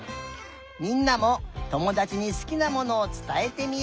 みんなもともだちにすきなものをつたえてみよう。